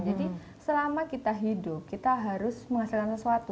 jadi selama kita hidup kita harus menghasilkan sesuatu